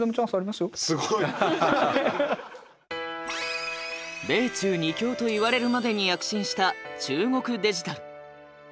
すごい。米中２強と言われるまでに躍進した中国デジタル。